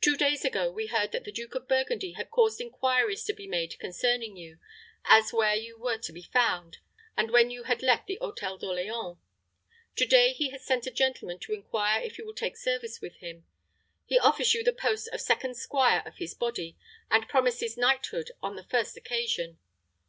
Two days ago we heard that the Duke of Burgundy had caused inquiries to be made concerning you, as where you were to be found, and when you had left the Hôtel d'Orleans. To day he has sent a gentleman to inquire if you will take service with him. He offers you the post of second squire of his body, and promises knighthood on the first occasion.